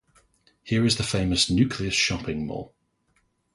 Here is the famous Nucleus shopping mall.